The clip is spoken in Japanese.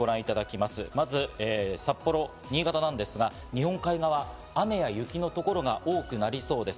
まず札幌、新潟なんですが、日本海側が雨や雪の所が多くなりそうです。